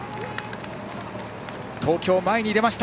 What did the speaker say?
東京、前に出ました。